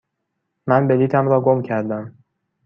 من بلیطم را گم کردم.